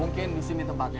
mungkin disini tempatnya